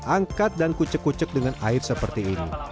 angkat dan kucek kucek dengan air seperti ini